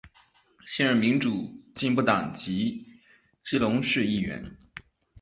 现任民主进步党籍基隆市议员。